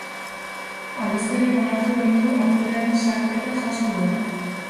Aldizkariak onartu egin du aktorearen salaketa jaso duela.